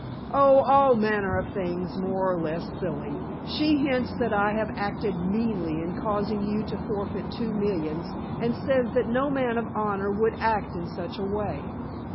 "Oh, all manner of things, more or less silly. She hints that I have acted meanly in causing you to forfeit two millions, and says that no man of honor would act in such a way."